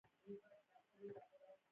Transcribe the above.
مېلمه ته لږ وخت هم ارزښت لري.